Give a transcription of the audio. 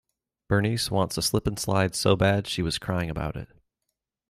Bernice wants a slip-and-slide so bad she was crying about it